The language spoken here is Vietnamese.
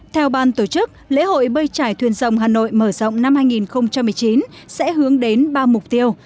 theo ban tổ chức lễ hội bơi trải thuyền rồng hà nội mở rộng năm hai nghìn một mươi chín sẽ hướng đến ba mục tiêu